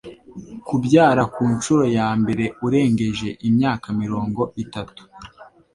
kubyara ku nshuro ya mbere urengeje imyaka mirongo itatu